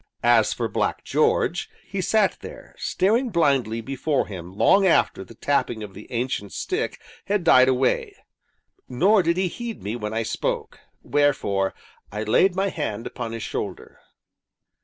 As for Black George, he sat there, staring blindly before him long after the tapping of the Ancient's stick had died away, nor did he heed me when I spoke, wherefore I laid my hand upon his shoulder.